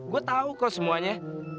gue tahu kok semuanya